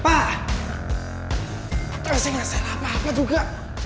pak saya gak salah apa apa juga